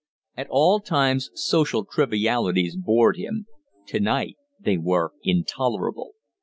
At all times social trivialities bored him; to night they were intolerable.